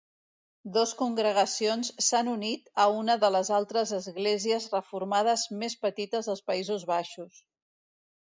Dos congregacions s'han unit a una de les altres esglésies reformades més petites dels Països Baixos.